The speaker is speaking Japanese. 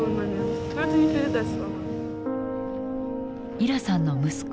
イラさんの息子